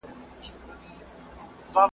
موږ باید د نورو عقیدې او باورونه وپېژنو.